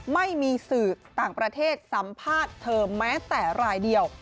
ไม่มีสื่อต่างประเทศสัมภาษณ์เธอแม้แต่รายเดียว